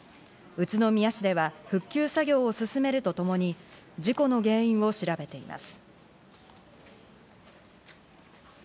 宇都宮市では復旧作業を進めるとともに事故の原因を調べています。